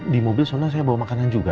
di mobil sebenarnya saya bawa makanan juga